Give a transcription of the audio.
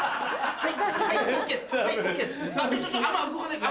はい。